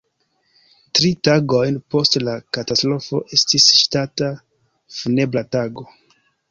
Tri tagojn post la katastrofo estis ŝtata funebra tago.